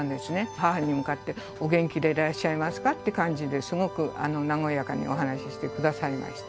母に向かって、お元気でいらっしゃいますかって感じで、すごく和やかにお話してくださいました。